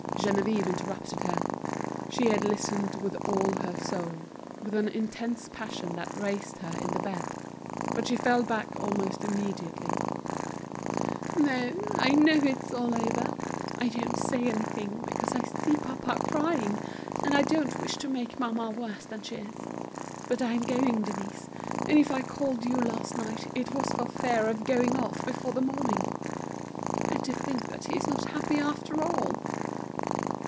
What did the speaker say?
Geneviève interrupted her. She had listened with all her soul, with an intense passion that raised her in the bed. But she fell back almost immediately. "No, I know it's all over! I don't say anything, because I see papa crying, and I don't wish to make mamma worse than she is. But I am going, Denise, and if I called for you last night it was for fear of going off before the morning. And to think that he is not happy after all!"